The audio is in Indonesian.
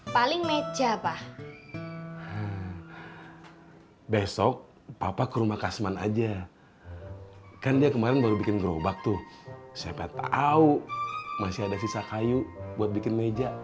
paling meja pak besok papa ke rumah kasman aja kan dia kemarin baru bikin gerobak tuh siapa tahu masih ada sisa kayu buat bikin meja